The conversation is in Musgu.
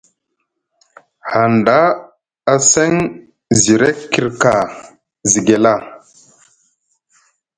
Hanɗa a seŋ zire kirka ziguela.